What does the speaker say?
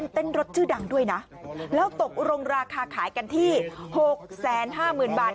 รถชื่อดังด้วยนะแล้วตกลงราคาขายกันที่๖๕๐๐๐บาท